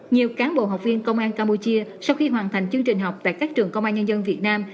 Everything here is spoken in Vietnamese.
nhiều cán bộ học viên công an campuchia sau khi hoàn thành chương trình học tại các trường công an nhân dân việt nam